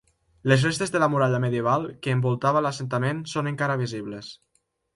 Les restes de la muralla medieval que envoltava l'assentament són encara visibles.